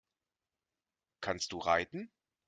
Kannst du reiten?